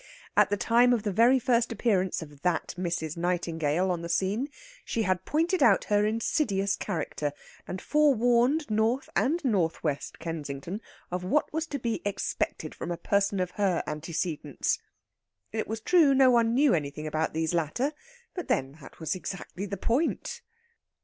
At the time of the very first appearance of "that Mrs. Nightingale" on the scene she had pointed out her insidious character, and forewarned North and North west Kensington of what was to be expected from a person of her antecedents. It was true no one knew anything about these latter; but, then, that was exactly the point.